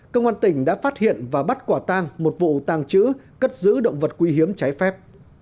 công an tỉnh đã phát hiện và bắt quả tang một vụ tàng trữ cất giữ động vật quý hiếm trái phép